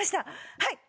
はい。